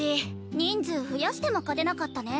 人数増やしても勝てなかったね。